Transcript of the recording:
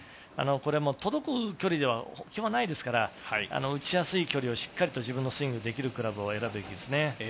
届く距離ではないですから、打ちやすい距離をしっかり自分のスイングができるクラブを選ぶことですね。